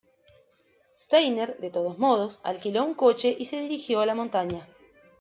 Steiner, de todos modos, alquiló un coche y se dirigió a la montaña.